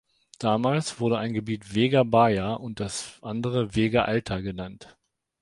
Damals wurde ein Gebiet Vega Baja und das andere Vega Alta genannt.